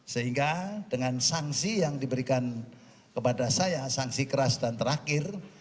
sehingga dengan sanksi yang diberikan kepada saya sanksi keras dan terakhir